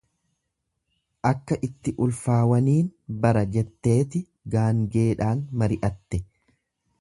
Akka itti ulfaawaniin bara jetteeti gaangeedhaan mari'atte.